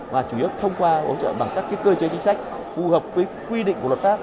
và chủ yếu thông qua hỗ trợ bằng các cơ chế chính sách phù hợp với quy định của luật pháp